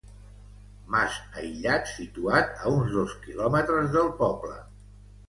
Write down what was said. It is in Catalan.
Mas aïllat situat a uns dos quilòmetres del poble.